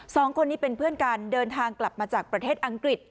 สองคนนี้เป็นเพื่อนกันเดินทางกลับมาจากประเทศอังกฤษ